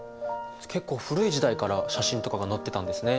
結構古い時代から写真とかが載ってたんですね。